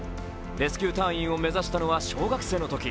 レスキュー隊員を目指したのは小学生のとき。